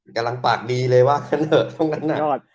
กำลังปากดีเลยว่ากันเลย